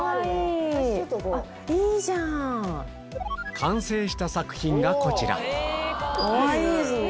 完成した作品がこちらかわいい！